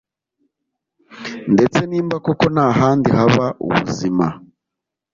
ndetse n'imba koko nta handi haba ubuzima